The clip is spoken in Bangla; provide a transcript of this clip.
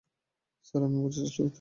স্যার, আমি বুঝার চেষ্টা করতেছি।